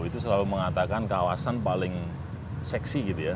itu selalu mengatakan kawasan paling seksi gitu ya